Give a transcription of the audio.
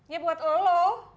ya buat lo